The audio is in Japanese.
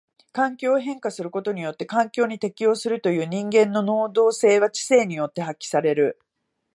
環境を変化することによって環境に適応するという人間の能動性は知性によって発揮される。